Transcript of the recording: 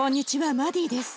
マデです。